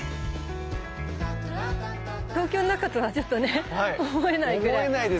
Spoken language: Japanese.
東京の中とはちょっとね思えないぐらい。